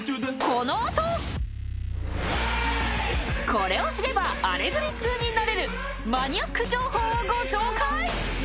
［これを知れば『アレグリ』通になれるマニアック情報をご紹介］